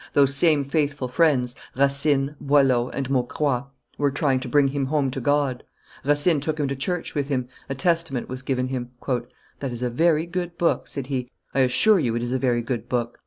Those same faithful friends Racine, Boileau, and Maucroix were trying to bring him home to God. Racine took him to church with him; a Testament was given him. "That is a very good book," said he; "I assure you it is a very good book."